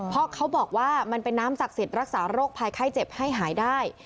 เพราะเขาบอกว่ามันเป็นน้ำศักดิ์สิทธิ์รักษาโรคภัยไข้เจ็บให้หายได้